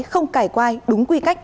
không cải quai đúng quy cách